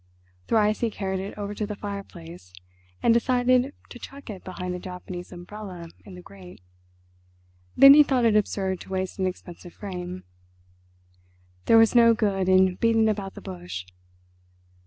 Thrice he carried it over to the fireplace and decided to chuck it behind the Japanese umbrella in the grate; then he thought it absurd to waste an expensive frame. There was no good in beating about the bush.